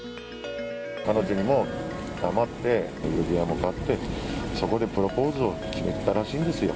彼女にも黙って、指輪も買って、そこでプロポーズを決めてたらしいんですよ。